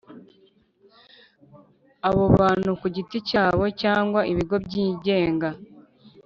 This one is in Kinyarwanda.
Abo bantu ku giti cyabo cyangwa ibigo byigenga